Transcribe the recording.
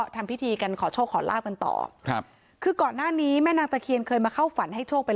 อยู่บ้านเขาบอกว่าโอ้ยมุดน้ำมาต้องร้ายเก็บเจ็บสิบแปดสิบปี